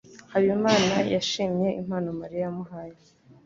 Habimana yashimye impano Mariya yamuhaye.